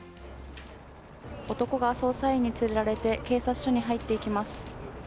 男が捜査員に連れられて、警察署に入っていきます。